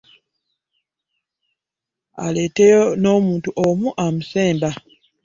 Aleeteyo n'omuntu omu amusemba.